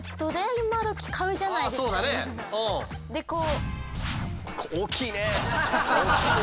でこう。